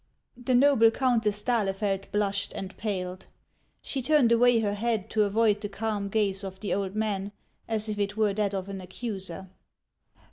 The noble Countess d'Ahlefeld blushed and paled. She turned away her head to avoid the calm gaze of the old man, as if it were that of an accuser.